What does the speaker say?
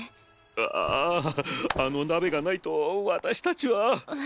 あああの鍋がないと私たちは。